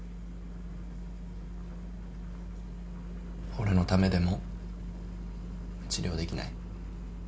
俺のためでも治療できない？